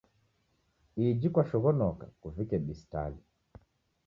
Iji kwashoghonoka, kuvike bistali.